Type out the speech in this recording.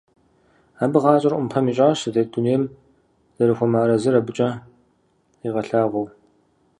Абы гъащӀэр Ӏумпэм ищӀащ, зытет дунейм зэрыхуэмыарэзыр абыкӀэ къигъэлъагъуэу.